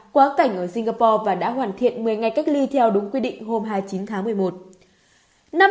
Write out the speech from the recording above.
quá cảnh ở singapore và đã hoàn thiện một mươi ngày cách ly theo đúng quy định hôm hai mươi chín tháng một mươi một